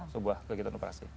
sebuah kegiatan operasi